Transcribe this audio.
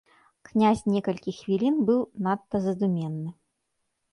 Князь некалькі хвілін быў надта задуменны.